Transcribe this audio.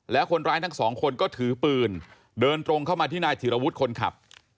แล้วคนร้ายทั้งสองคนก็ถือปืนเดินตรงเข้ามาที่นายธิรวุฒิคนขับ